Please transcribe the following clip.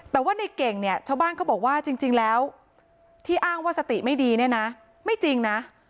แต่ว่าในเก่งเนี่ยชาวบ้านเขาบอกว่าจริงแล้วที่อ้างว่าสติไม่ดีเนี่ยนะไม่จริงนะ